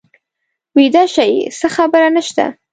ویده شئ څه خبره نه شته.